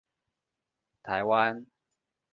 台灣